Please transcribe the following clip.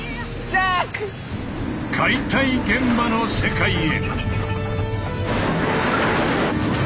解体現場の世界へ！